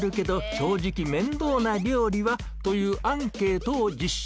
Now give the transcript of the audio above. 「正直面倒な料理は？」というアンケートを実施！